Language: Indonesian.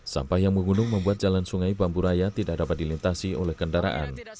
sampah yang menggunung membuat jalan sungai bambu raya tidak dapat dilintasi oleh kendaraan